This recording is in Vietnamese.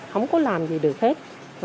không có làm gì được hết